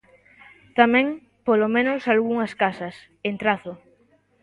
Tamén, polo menos algunhas casas, en Trazo.